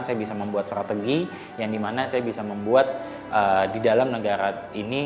saya bisa membuat strategi yang dimana saya bisa membuat di dalam negara ini